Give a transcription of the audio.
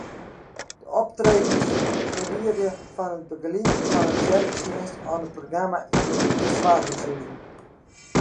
De optredens fariearje fan it begelieden fan in tsjerketsjinst oant in programma yn fersoargingshuzen.